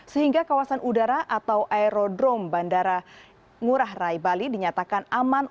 sehingga kawasan udara atau aerodrom bandara igu stinggurang rai bali dinyatakan